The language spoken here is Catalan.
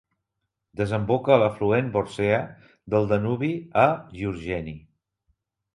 Desemboca a l'afluent Borcea del Danubi a Giurgeni.